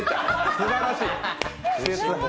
すばらしい。